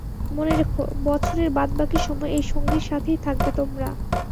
মনে রেখো, বছরের বাদবাকি সময় এই সঙ্গীর সাথেই থাকবে তোমরা।